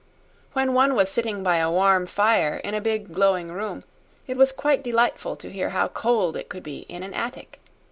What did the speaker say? When one was sitting by a warm fire in a big, glowing room, it was quite delightful to hear how cold it could be in an attic.